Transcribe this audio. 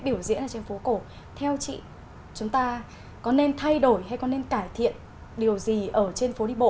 biểu diễn ở trên phố cổ theo chị chúng ta có nên thay đổi hay có nên cải thiện điều gì ở trên phố đi bộ